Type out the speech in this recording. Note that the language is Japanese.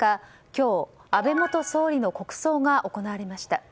今日、安倍元総理の国葬が行われました。